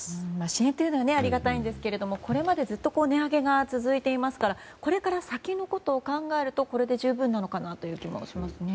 支援というのはありがたいですがこれまでずっと値上げが続いていますからこれから先のことを考えるとこれで十分なのかなという気もしますね。